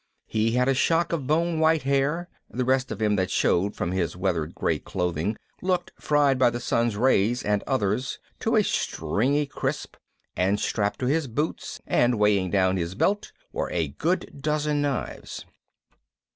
He had a shock of bone white hair, the rest of him that showed from his weathered gray clothing looked fried by the sun's rays and others to a stringy crisp, and strapped to his boots and weighing down his belt were a good dozen knives.